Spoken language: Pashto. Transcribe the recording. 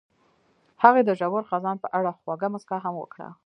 هغې د ژور خزان په اړه خوږه موسکا هم وکړه.